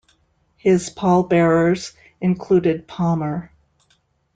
His pall bearers included Palmer.